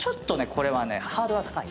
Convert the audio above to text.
これはねハードルが高い。